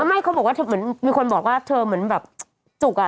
ไม่เขาบอกว่าเหมือนมีคนบอกว่าเธอเหมือนแบบจุกอ่ะ